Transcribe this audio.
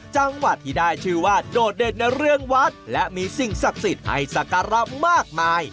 จังหวัดที่ได้ชื่อว่าโดดเด่นในเรื่องวัดและมีสิ่งศักดิ์สิทธิ์ให้สักการะมากมาย